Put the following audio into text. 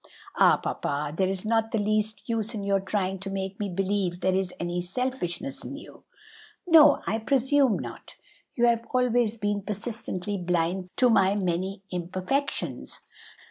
"Ah, papa, there is not the least use in your trying to make me believe there is any selfishness in you!" "No, I presume not; you have always been persistently blind to my many imperfections.